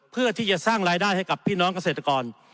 เพื่อที่จะสร้างรายได้ให้กับพี่น้องเกษตรกร